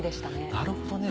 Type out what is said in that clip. なるほどね。